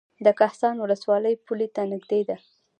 د کهسان ولسوالۍ پولې ته نږدې ده